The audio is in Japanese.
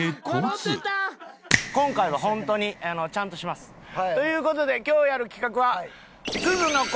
今回は本当にちゃんとします！という事で今日やる企画は。